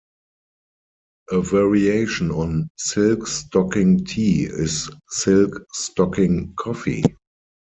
A variation on "silk stocking tea" is "silk stocking coffee".